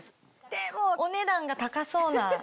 でもお値段が高そうな。